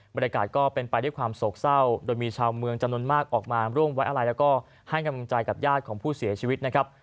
บรรยากาศก็เป็นไปด้วยความโศกเศร้าโดยมีชาวเมืองจำนวนมากออกมาร่วมไว้อะไรแล้วก็ให้กำลังใจกับญาติของผู้เสียชีวิตนะครับ